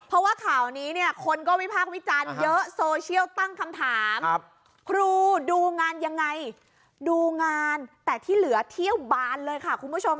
เพราะว่าข่าวนี้เนี่ยคนก็วิพากษ์วิจารณ์เยอะโซเชียลตั้งคำถามครูดูงานยังไงดูงานแต่ที่เหลือเที่ยวบานเลยค่ะคุณผู้ชม